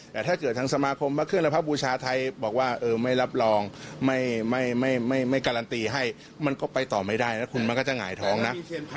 แต่ถ้าเกิดทางสมาคมพระเครื่องและพระบูชาไทยบอกว่าไม่รับรองไม่การันตีให้มันก็ไปต่อไม่ได้นะคุณมันก็จะหงายท้องนะ